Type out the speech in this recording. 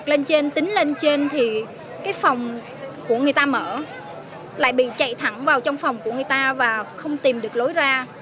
lại bị chạy thẳng vào trong phòng của người ta và không tìm được lối ra